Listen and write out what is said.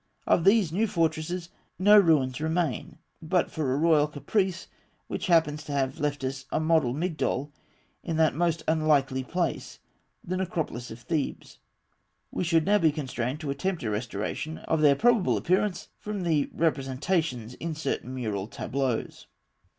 Of these new fortresses no ruins remain; and but for a royal caprice which happens to have left us a model Migdol in that most unlikely place, the necropolis of Thebes, we should now be constrained to attempt a restoration of their probable appearance from the representations in certain mural tableaux.